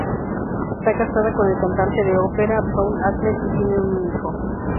Está casada con el cantante de ópera Paul Agnew y tienen un hijo.